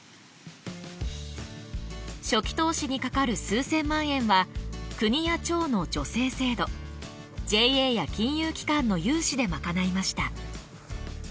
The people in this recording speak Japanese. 初期投資にかかる数千万円は国や町の助成制度ＪＡや金融機関の融資で賄いました。